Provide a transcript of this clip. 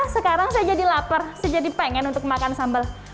sekarang saya jadi lapar saya jadi pengen untuk makan sambal